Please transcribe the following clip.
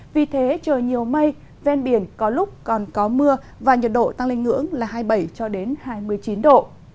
vì thế trời nhiều mây ven biển có lúc còn có mưa và nhiệt độ tăng lên ngưỡng là hai mươi bảy hai mươi chín độ